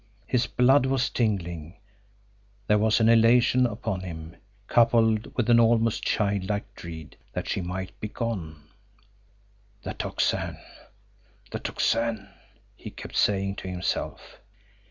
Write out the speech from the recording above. His blood was tingling; there was elation upon him, coupled with an almost childlike dread that she might be gone. "The Tocsin! The Tocsin!" he kept saying to himself.